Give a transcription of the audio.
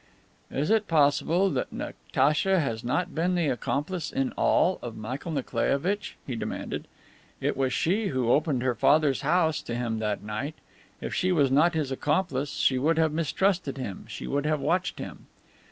"Is it possible that Natacha has not been the accomplice, in all, of Michael Nikolaievitch?" he demanded. "It was she who opened her father's house to him that night. If she was not his accomplice she would have mistrusted him, she would have watched him."